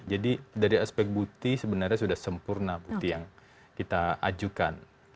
jadi dari aspek bukti sebenarnya sudah sempurna bukti yang kita ajukan